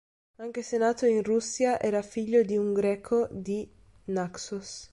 Anche se nato in Russia, era figlio di un greco di Naxos.